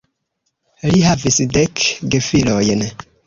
Li havis dek gefilojn.